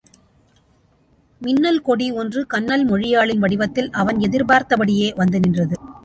மின்னல் கொடி ஒன்று கன்னல் மொழியாளின் வடிவத்தில் அவன் எதிர்பார்த்தபடியே வந்து நின்றது.